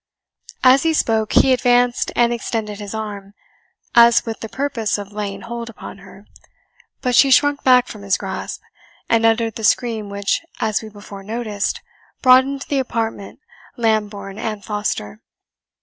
As he spoke he advanced and extended his arm, as with the purpose of laying hold upon her. But she shrunk back from his grasp, and uttered the scream which, as we before noticed, brought into the apartment Lambourne and Foster.